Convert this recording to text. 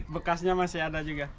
bekasnya masih ada juga